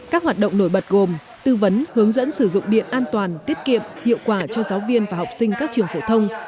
các hoạt động nổi bật gồm tư vấn hướng dẫn sử dụng điện an toàn tiết kiệm hiệu quả cho giáo viên và học sinh các trường phổ thông